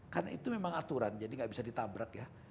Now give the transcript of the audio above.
karena itu memang aturan jadi tidak bisa ditabrak ya